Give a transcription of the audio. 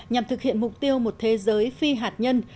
nhằm thực hiện mục tiêu một thế giới phi hạt nhân